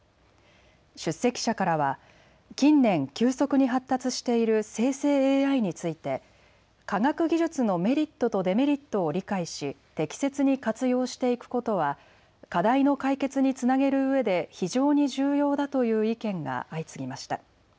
出席者からは近年、急速に発達している生成ＡＩについて科学技術のメリットとデメリットを理解し適切に活用していくことは課題の解決につなげるうえで非常に重要だという意見が相次ぎました。